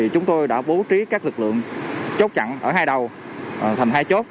chúng tôi đã bố trí các lực lượng chốt chặn ở hai đầu thành hai chốt